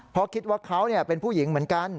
เพราะคิดว่าเขาเป็นผู้หญิงเหมือนกัน